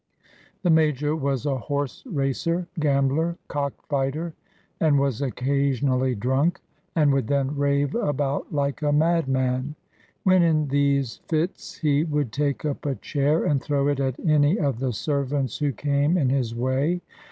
The Major was a horse racer, gambler, cock fighter, and was occasionally drunk, and would then rave about like a madman. When in these fits, he would take up a chair and throw it at any of the servants who came in his way.